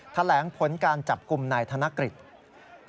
แถลงพ้นการจับกลุ่มนายธนกฤทธิ์